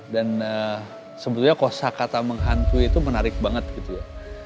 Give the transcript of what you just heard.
dan sebetulnya kosa kata menghantui itu menarik banget gitu ya